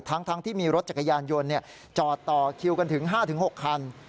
ทั้งที่มีรถจักรยานยนต์จอดต่อคิวกันถึง๕๖คัน